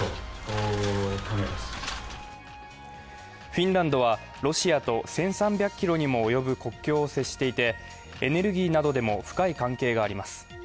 フィンランドはロシアと１３００ｋｍにも及ぶ国境を接していてエネルギーなどでも深い関係があります。